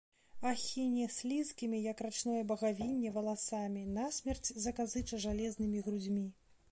Ахіне слізкімі, як рачное багавінне, валасамі, насмерць заказыча жалезнымі грудзьмі.